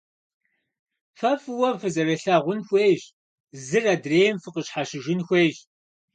Фэ фӀыуэ фызэрылъагъун хуейщ, зыр адрейм фыкъыщхьэщыжын хуейщ.